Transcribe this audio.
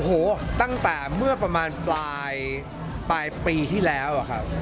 โอ้โหตั้งแต่เมื่อประมาณปลายปีที่แล้วอะครับ